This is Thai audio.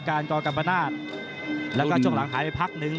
กรกรรมนาศแล้วก็ช่วงหลังหายไปพักนึง